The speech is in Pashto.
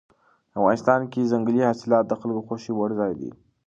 افغانستان کې ځنګلي حاصلات د خلکو د خوښې وړ ځای دی.